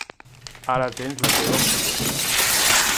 Ara tens la teva oportunitat.